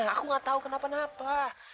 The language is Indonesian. aku gak tahu kenapa napa